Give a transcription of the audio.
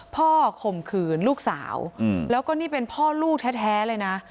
ข่มขืนลูกสาวแล้วก็นี่เป็นพ่อลูกแท้เลยนะ